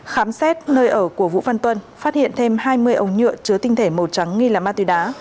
khám xét nơi ở của vũ văn tuân phát hiện thêm hai mươi ống nhựa chứa tinh thể màu trắng nghi là ma túy đá